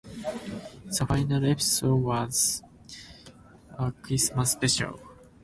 The final episode was a Christmas special.